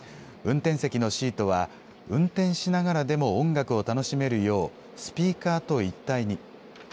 運転席のシートは運転しながらでも音楽を楽しめるようスピーカーと一体に。